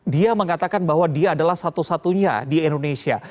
dia mengatakan bahwa dia adalah satu satunya di indonesia